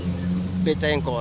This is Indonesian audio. dengan becak yang kore